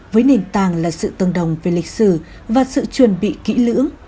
với nền tàng là sự tân đồng về lịch sử và sự chuẩn bị kỹ lưỡng